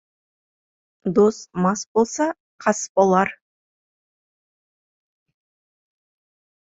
Дос мас болса, қас болар.